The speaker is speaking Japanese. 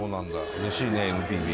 うれしいねＮＰＢ。